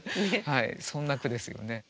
そんな句ですよね。